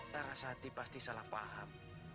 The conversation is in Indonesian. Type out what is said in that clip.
larasati pasti salah faham